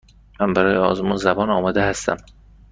من برای آزمون زبان آماده هستم.